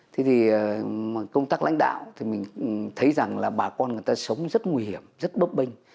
thế thì công tác lãnh đạo thì mình thấy rằng là bà con người ta sống rất nguy hiểm rất bấp bênh